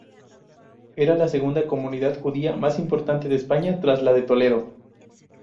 Era la segunda comunidad judía más importante de España, tras la de Toledo.